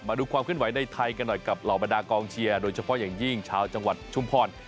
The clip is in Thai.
มาดูความขึ้นไหวในไทยกันหน่อยกับเหล่าบรรดากองเชียร์โดยเฉพาะอย่างยิ่งชาวจังหวัดชุมพร